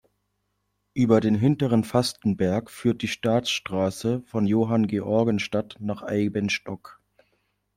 Über den Hinteren Fastenberg führt die Staatsstraße von Johanngeorgenstadt nach Eibenstock.